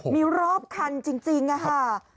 มีรอบคันจริงค่ะ